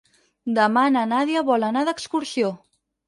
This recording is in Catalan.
Demà na Nàdia vol anar d'excursió.